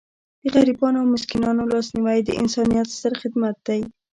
د غریبانو او مسکینانو لاسنیوی د انسانیت ستر خدمت دی.